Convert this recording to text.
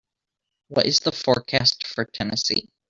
what is the forecast for Tennessee